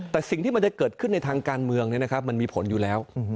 แต่สิ่งที่มันจะเกิดขึ้นในทางการเมืองมันมีผลอยู่แล้ว